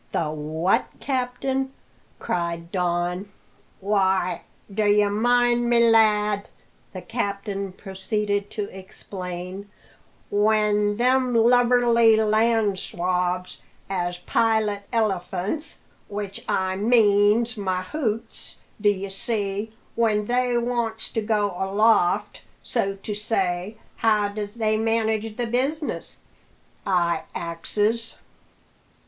"The what, captain?" cried Don. "Why, d'ye mind me, lad," the captain proceeded to explain, "when them lubberly land swabs as pilots elephants which I means mahouts, d'ye see when they wants to go aloft, so to say, how does they manage the business? I axes.